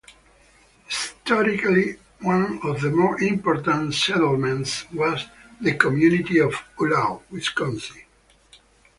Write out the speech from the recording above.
Historically, one of the more important settlements was the community of Ulao, Wisconsin.